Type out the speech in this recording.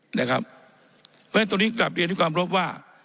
เพราะฉะนั้นตรงนี้กลับเรียนด้วยความรบว่า